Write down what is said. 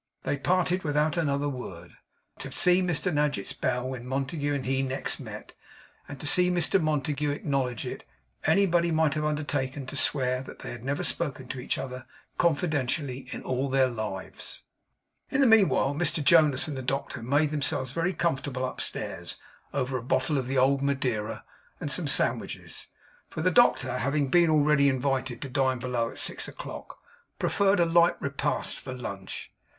They parted without another word. To see Mr Nadgett's bow when Montague and he next met, and to see Mr Montague acknowledge it, anybody might have undertaken to swear that they had never spoken to each other confidentially in all their lives. In the meanwhile, Mr Jonas and the doctor made themselves very comfortable upstairs, over a bottle of the old Madeira and some sandwiches; for the doctor having been already invited to dine below at six o'clock, preferred a light repast for lunch.